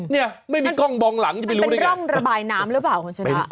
เนี่ยไม่มีกล้องมองหลังจะไปรู้เป็นร่องระบายน้ำหรือเปล่าคุณชนะ